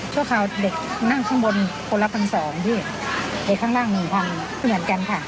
คราวเด็กนั่งข้างบนคนละพันสองพี่เด็กข้างล่างหนึ่งพันเหมือนกันค่ะ